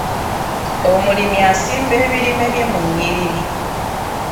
Omulimi asimba ebirime bye mu nnyiriri.